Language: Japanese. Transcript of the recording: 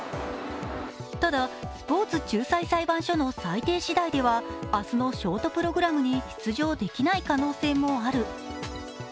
ただ、スポーツ仲裁裁判所の裁定しだいでは明日のショートプログラムに出場できない可能性もある。